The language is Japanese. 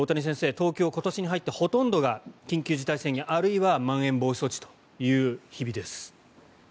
東京は今年に入ってほとんどが緊急事態宣言、あるいはまん延防止措置という日々です。